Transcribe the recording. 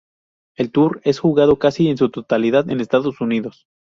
El tour es jugado casi en su totalidad en Estados Unidos.